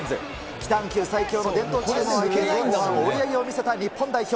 北半球最強の伝統チームを相手に、追い上げを見せた日本代表。